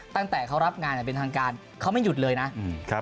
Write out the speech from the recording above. ตั้งแต่เขารับงานอย่างเป็นทางการเขาไม่หยุดเลยนะ